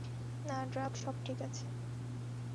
না, ড্রাক, সব ঠিক আছে।